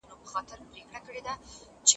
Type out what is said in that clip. د پښتورګو ستونزې په وخت درملنه غواړي.